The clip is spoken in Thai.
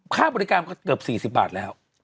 ค่าบริการก็เกือบ๔๐บาทแล้ว